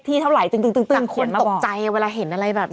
แต่คนตกใจเวลาเห็นอะไรแบบนี้